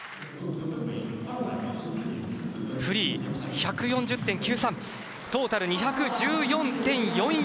フリー１４０．９３、トータル２１４．４４。